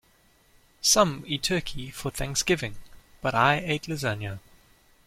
Some eat turkey for Thanksgiving, but I ate lasagna.